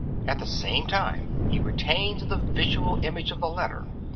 At the same time he retains the visual image of the letter.